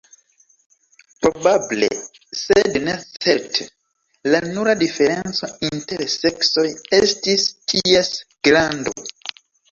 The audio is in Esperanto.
Probable, sed ne certe, la nura diferenco inter seksoj estis ties grando.